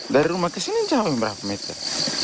dari rumah ke sini jauh berapa meter